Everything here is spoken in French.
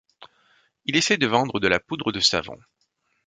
Il essaie de vendre de la poudre de savon.